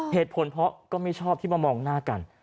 เหตุผลเพราะก็ไม่ชอบที่มามองหน้ากัน